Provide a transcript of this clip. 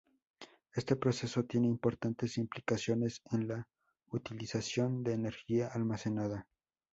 Este proceso tiene importantes implicaciones en la utilización de energía almacenada, p. Ej.